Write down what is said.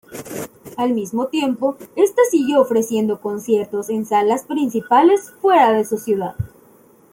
Al mismo tiempo, esta siguió ofreciendo conciertos en salas principales fuera de su ciudad.